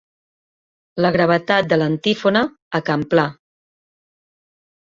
La gravetat de l'antífona a cant pla.